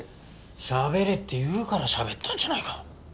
しゃべれって言うからしゃべったんじゃないか。